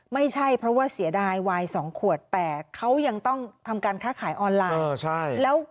ไม่ใช่เพราะว่าเสียดายวาย๒ขวดแต่เขายังต้องทำการค้าขายออนไลน์